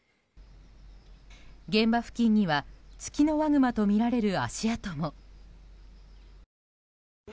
現場付近にはツキノワグマとみられる足跡も。